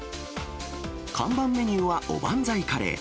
看板メニューはおばんざいカレー。